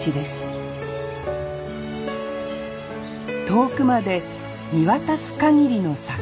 遠くまで見渡す限りの桜。